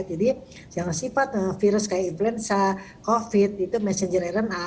jadi jangan sifat virus kayak influenza covid messenger rna